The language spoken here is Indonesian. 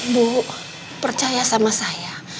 bu percaya sama saya